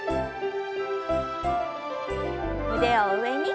腕を上に。